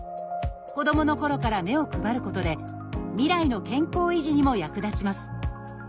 子どものころから目を配ることで未来の健康維持にも役立ちます。